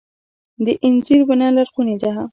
د انځر ونه لرغونې ده